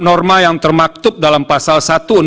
norma yang termaktub dalam pasal